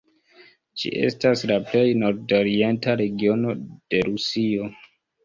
Ĝi estas la plej nordorienta regiono de Rusio.